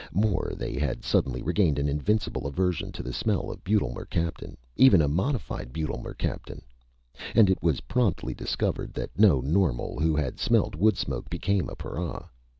More, they had suddenly regained an invincible aversion to the smell of butyl mercaptan even a modified butyl mercaptan and it was promptly discovered that no normal who had smelled wood smoke became a para.